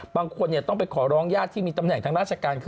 บางคนต้องไปขอร้องญาติที่มีตำแหน่งทางราชการคือ